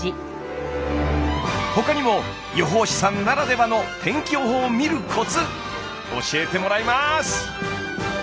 他にも予報士さんならではの天気予報を見るコツ教えてもらいます！